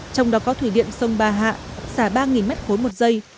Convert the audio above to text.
trong đó có thủy điện sông ba hạ xả ba m ba một giây